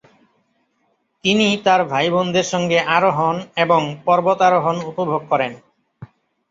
তিনি তার ভাইবোনদের সঙ্গে আরোহণ এবং পর্বতারোহণ উপভোগ করেন।